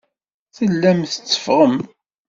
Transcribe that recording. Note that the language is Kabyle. Tellam tetteffɣem.